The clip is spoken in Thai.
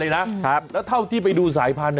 แล้วเท่าที่ไปดูสายพันธุ